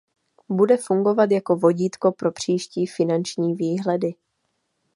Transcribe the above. Bude fungovat jako vodítko pro příští finanční výhledy.